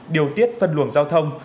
điều tiết phân luồng giao thông